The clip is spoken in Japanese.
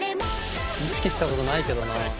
意識した事ないけどな。